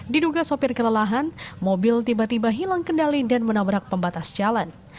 diduga sopir kelelahan mobil tiba tiba hilang kendali dan menabrak pembatas jalan